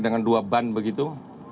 dengan dua ban begitu